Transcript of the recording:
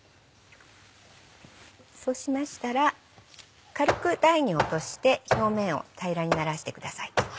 そうしましたら軽く台に落として表面を平らにならしてください。